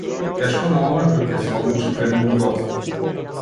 Тешко на оној кој ќе се одлучи премногу доцна.